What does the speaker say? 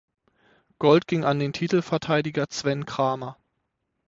Gold ging an den Titelverteidiger Sven Kramer.